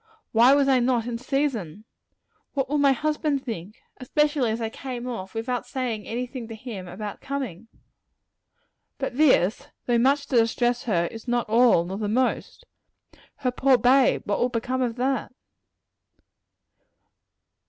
Why was I not in season? What will my husband think especially as I came off without saying any thing to him about coming? But this, though much to distress her, is not all, nor the most. Her poor bade! what will become of that?